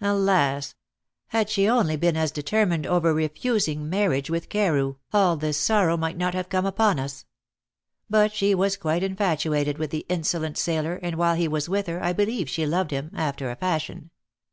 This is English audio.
Alas! had she only been as determined over refusing marriage with Carew, all this sorrow might not have come upon us. But she was quite infatuated with the insolent sailor, and while he was with her I believe she loved him after a fashion.